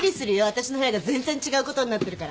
私の部屋が全然違うことになってるから。